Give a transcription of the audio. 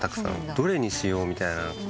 「どれにしよう？」みたいな。